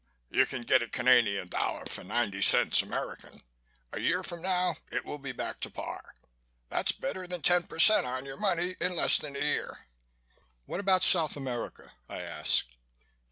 You can get a Canadian dollar for ninety cents American. A year from now it will be back to par. That's better than ten percent on your money in less than a year." "What about South America?" I asked.